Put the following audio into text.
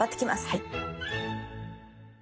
はい。